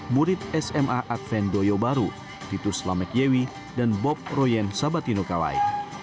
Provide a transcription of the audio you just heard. murid sma advent doyo baru titus lamek yewi dan bob royen sabatino kawai